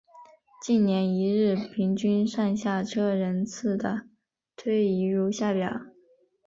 近年一日平均上下车人次的推移如下表。